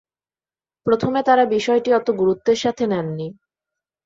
প্রথমে তারা বিষয়টি অত গুরুত্বের সাথে নেননি।